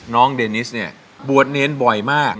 น้องเดนิสเนี่ยบวชเนรบ่อยมาก